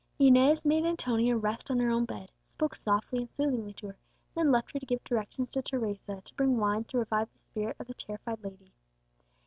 Inez made Antonia rest on her own bed, spoke softly and soothingly to her, and then left her to give directions to Teresa to bring wine to revive the spirit of the terrified lady.